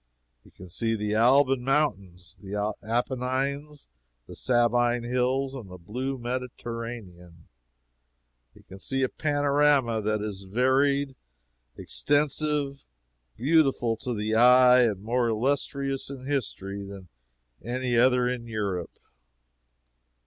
He can see the Alban Mountains, the Appenines, the Sabine Hills, and the blue Mediterranean. He can see a panorama that is varied, extensive, beautiful to the eye, and more illustrious in history than any other in Europe.